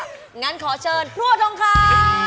อย่างนั้นขอเชิญพ่อท้องคำ